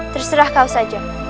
terserah kau saja